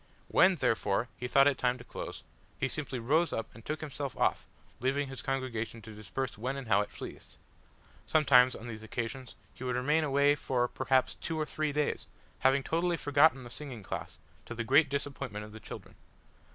When, therefore, he thought it time to close, he simply rose up and took himself off, leaving his congregation to disperse when and how it pleased! Sometimes on these occasions he would remain away for, perhaps, two or three days, having totally forgotten the singing class, to the great disappointment of the children.